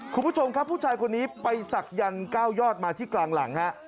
คุณผู้ชมครับผู้ชายคนนี้ไปศักยันต์๙ยอดมาที่กลางหลังฮะ